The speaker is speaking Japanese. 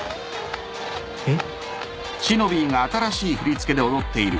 えっ？